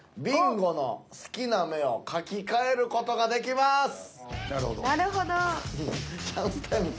ビンゴの好きな目を書き換える事ができます！